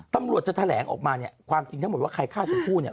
ตำรวจจะแถลงออกมาเนี่ยความจริงทั้งหมดว่าใครฆ่าชมพู่เนี่ย